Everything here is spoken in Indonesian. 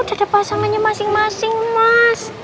ada pasangannya masing masing mas